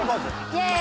イェーイ！